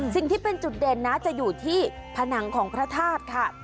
สิ่งที่เป็นจุดเด่นนะจะอยู่ที่ผนังของพระธาตุค่ะ